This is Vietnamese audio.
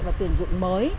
và tuyển dụng mới